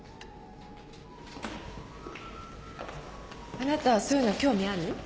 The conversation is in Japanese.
あなたそういうのは興味ある？